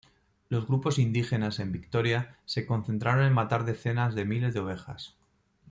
Los grupos indígenas en Victoria se concentraron en matar decenas de miles de ovejas.